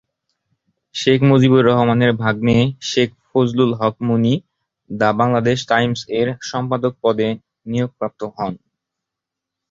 শেখ মুজিবুর রহমানের ভাগ্নে শেখ ফজলুল হক মনি "দ্য বাংলাদেশ টাইমস"-এর সম্পাদক পদে নিয়োগপ্রাপ্ত হন।